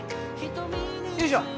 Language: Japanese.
よいしょ。